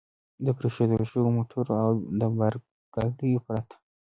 د پرېښوول شوو موټرو او د بار ګاډیو پرته.